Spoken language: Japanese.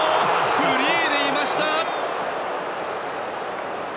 フリーでいました。